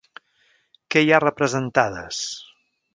Què hi ha representades?